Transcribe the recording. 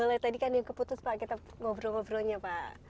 boleh tadi kan yang keputus pak kita ngobrol ngobrolnya pak